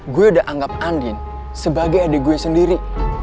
gue udah anggap andin sebagai adik gue sendiri